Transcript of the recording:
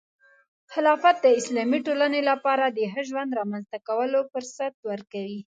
خلافت د اسلامي ټولنې لپاره د ښه ژوند رامنځته کولو فرصت ورکوي.